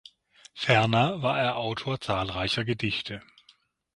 Ferner war er Autor zahlreicher Gedichte.